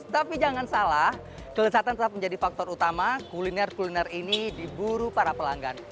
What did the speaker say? tapi jangan salah kelezatan tetap menjadi faktor utama kuliner kuliner ini diburu para pelanggan